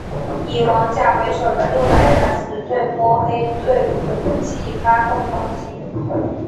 以王甲为首的六百人敢死队摸黑对古晋发动攻击。